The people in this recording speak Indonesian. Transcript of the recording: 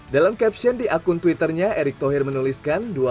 dalam caption di akun twitternya erick thohir menuliskan